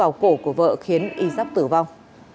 rau cổ của vợ khiến y giáp tử vong